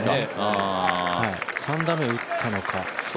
３打目打ったのか。